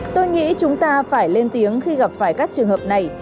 tôi nghĩ chúng ta phải lên tiếng khi gặp phải các trường hợp này